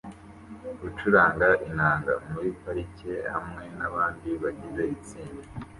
gucuranga inanga muri parike hamwe nabandi bagize itsinda